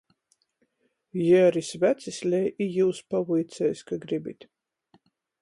Jei ari svecis lej i jius pavuiceis, ka gribit.